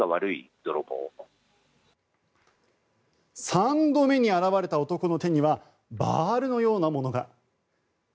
３度目に現れた男の手にはバールのようなものが。